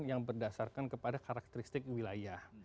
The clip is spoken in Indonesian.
yang berdasarkan kepada karakteristik wilayah